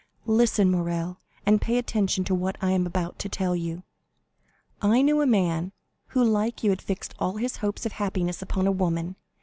"Listen, Morrel, and pay attention to what I am about to tell you. I knew a man who like you had fixed all his hopes of happiness upon a woman.